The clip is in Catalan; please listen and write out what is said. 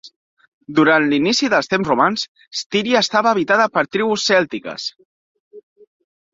Durant l'inici dels temps romans, Styria estava habitada per tribus cèltiques.